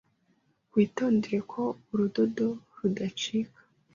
Witondere ko urudodo rudacika.